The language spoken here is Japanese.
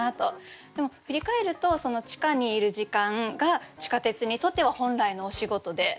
でも振り返るとその地下にいる時間が地下鉄にとっては本来のお仕事で。